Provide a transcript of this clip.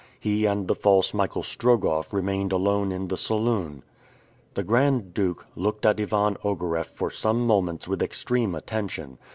He and the false Michael Strogoff remained alone in the saloon. The Grand Duke looked at Ivan Ogareff for some moments with extreme attention.